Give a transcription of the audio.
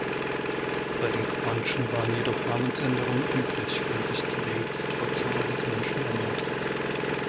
Bei den Comanchen waren jedoch Namensänderungen üblich, wenn sich die Lebenssituation eines Menschen änderte.